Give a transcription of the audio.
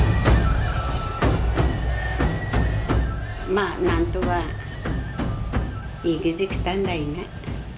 まあ何とか生きてきたんだよね。